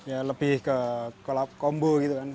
ya lebih ke kombu gitu kan